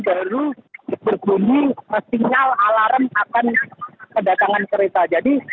baru berbunyi sinyal alarm akan kedatangan kereta